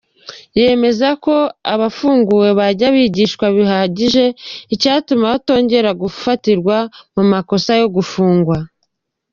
Yemeza ko abafunguwe bajya bigishwa bihagije icyatuma batongera gufatirwa mu makosa yo gufungwa.